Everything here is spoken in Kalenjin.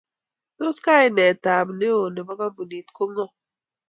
Tos kainetab neo nebo kampunit ko ngo?